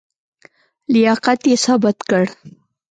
لیاقت یې ثابت کړ.